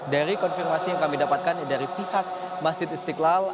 dari konfirmasi yang kami dapatkan dari pihak masjid istiqlal